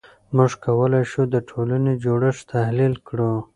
موږ کولای شو د ټولنې جوړښت تحلیل کړو.